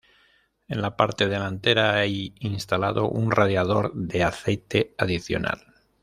En la parte delantera hay instalado un radiador de aceite adicional.